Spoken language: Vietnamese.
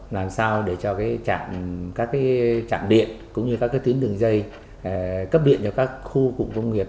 làm sao để cho trạm các trạm điện cũng như các tuyến đường dây cấp điện cho các khu cụm công nghiệp